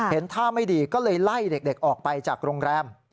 ท่าไม่ดีก็เลยไล่เด็กออกไปจากโรงแรม